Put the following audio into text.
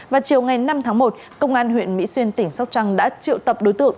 vào chiều ngày năm tháng một công an huyện mỹ xuyên tỉnh sóc trăng đã triệu tập đối tượng